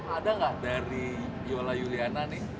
ada nggak dari yola juliana nih